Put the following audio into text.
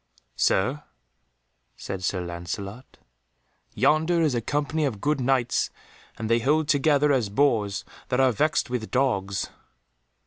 "Sir," said Sir Lancelot, "yonder is a company of good Knights and they hold together as boars that are vexed with dogs."